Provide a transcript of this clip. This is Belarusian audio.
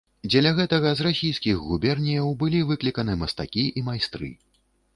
Дзеля гэтага з расійскіх губерняў былі выкліканы мастакі і майстры.